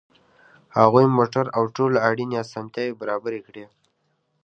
هغوی موټر او ټولې اړینې اسانتیاوې برابرې کړې